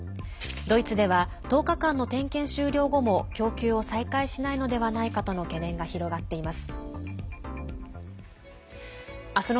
ドイツでは１０日間の点検終了後も供給を再開しないのではないかとの懸念が広がっています。